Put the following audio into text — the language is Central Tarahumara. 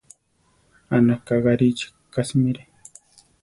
Anaka Garichí ka simire.